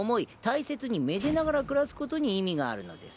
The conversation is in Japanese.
大切にめでながら暮らすことに意味があるのです。